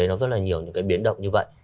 rất nhiều biến động như vậy